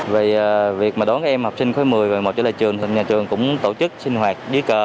vì việc mà đón các em học sinh khối một mươi một mươi một trở lại trường thì nhà trường cũng tổ chức sinh hoạt dưới cờ